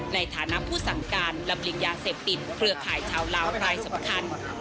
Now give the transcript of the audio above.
ในฐานะผู้สั่งการลำเลียงยาเสพติดเครือข่ายชาวลาวรายสำคัญ